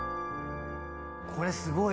これすごい。